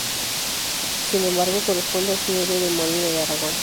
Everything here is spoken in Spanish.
Sin embargo, corresponde al Señorío de Molina de Aragón.